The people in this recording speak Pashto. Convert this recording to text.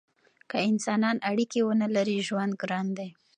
که انسانان اړیکې ونلري ژوند ګران دی.